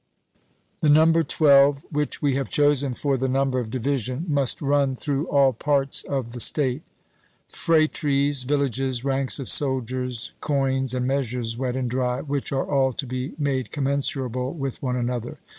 The number twelve, which we have chosen for the number of division, must run through all parts of the state, phratries, villages, ranks of soldiers, coins, and measures wet and dry, which are all to be made commensurable with one another.